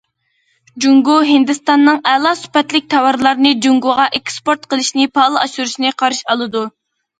جۇڭگو ھىندىستاننىڭ ئەلا سۈپەتلىك تاۋارلارنى جۇڭگوغا ئېكسپورت قىلىشنى پائال ئاشۇرۇشىنى قارشى ئالىدۇ.